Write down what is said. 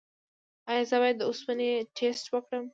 ایا زه باید د اوسپنې ټسټ وکړم؟